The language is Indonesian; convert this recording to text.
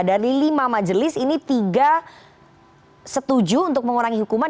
dari lima majelis ini tiga setuju untuk mengurangi hukuman